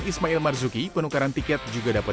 ismail marzuki penukaran tiket juga dapat